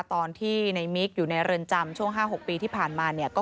ตอนที่ในมิกอยู่ในเรือนจำช่วง๕๖ปีที่ผ่านมาเนี่ย